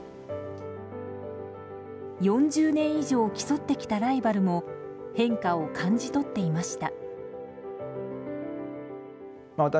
４０年以上競ってきたライバルも変化を感じ取っていました。